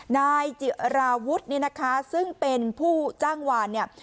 นายจิราวุฒิเนี่ยนะคะซึ่งเป็นผู้จ้างวานเนี่ย